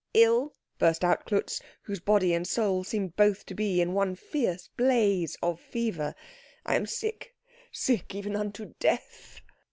"Ill!" burst out Klutz, whose body and soul seemed both to be in one fierce blaze of fever, "I am sick sick even unto death."